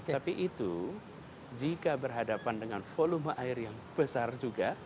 tapi itu jika berhadapan dengan volume air yang besar juga